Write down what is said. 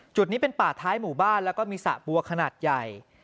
จุดนี้เป็นป่าท้ายหมู่บ้านแล้วก็มีสระบัวขนาดใหญ่